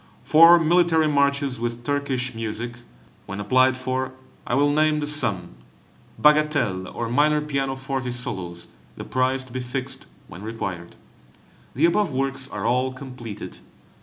Four military Marches with Turkish music; when applied for, I will name the sum. Bagatelles, or minor pianoforte solos, the price to be fixed when required. The above works are all completed.